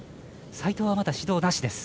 斉藤はまだ指導なしです。